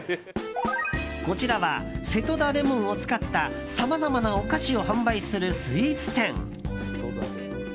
こちらは瀬戸田レモンを使ったさまざまなお菓子を販売するスイーツ店。